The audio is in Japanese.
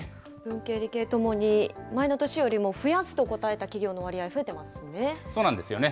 文系、理系ともに前の年よりも増やすと答えた企業の割合、増そうなんですよね。